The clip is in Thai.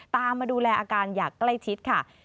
ตามมาดูแลอาการอย่ากล้ายชิดค่ะ